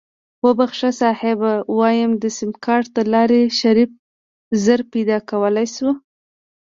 وبښه صيب ويم د سيمکارټ دلارې شريف زر پيدا کولی شو.